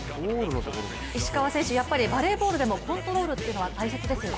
石川選手、やっぱりバレーボールでもコントロールは大切ですよね？